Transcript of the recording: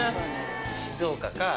静岡か。